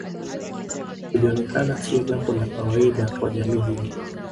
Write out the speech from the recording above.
Ilionekana sio jambo la kawaida kwa jamii hiyo